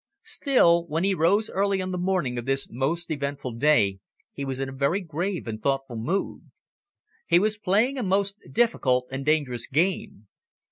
Still, when he rose early on the morning of this most eventful day, he was in a very grave and thoughtful mood. He was playing a most difficult and dangerous game.